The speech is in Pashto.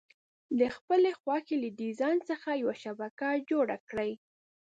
د خپلې خوښې له ډیزاین څخه یوه شبکه جوړه کړئ.